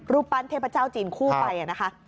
ปั้นเทพเจ้าจีนคู่ไปนะคะ